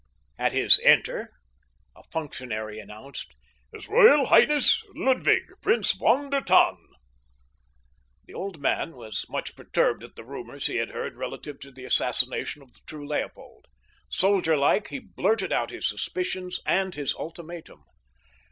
At his "Enter" a functionary announced: "His Royal Highness Ludwig, Prince von der Tann!" The old man was much perturbed at the rumors he had heard relative to the assassination of the true Leopold. Soldier like, he blurted out his suspicions and his ultimatum.